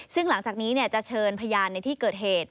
ซึ่งหลังจากนี้จะเชิญพยานในที่เกิดเหตุ